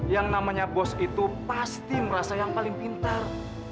yang namanya bos itu pasti merasa yang paling pintar